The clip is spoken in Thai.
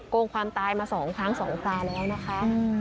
งความตายมา๒ครั้ง๒คราแล้วนะคะ